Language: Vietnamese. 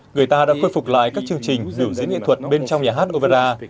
người ta đã khôi phục lại các chương trình biểu diễn nghệ thuật bên trong nhà hát opera